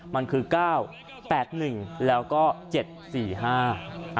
มันคือเก้าแปดหนึ่งแล้วก็เจ็ดสี่ห้า